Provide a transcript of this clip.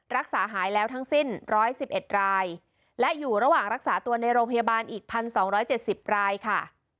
รักษาหายแล้วทั้งสิ้น๑๑๑รายและอยู่ระหว่างรักษาตัวในโรงพยาบาลอีก๑๒๗๐รายค่ะ